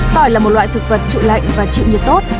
tỏi là một loại thực vật trụ lạnh và chịu nhiệt tốt